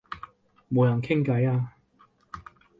冇人傾偈啊